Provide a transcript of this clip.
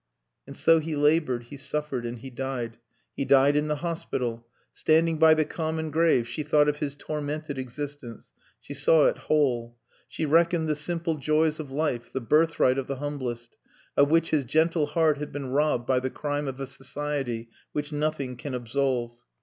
And so he laboured, he suffered, and he died. He died in the hospital. Standing by the common grave she thought of his tormented existence she saw it whole. She reckoned the simple joys of life, the birthright of the humblest, of which his gentle heart had been robbed by the crime of a society which nothing can absolve.